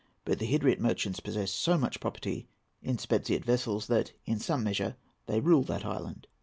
But the Hydriot merchants possess so much property in Spetziot vessels that, in some measure, they rule that island.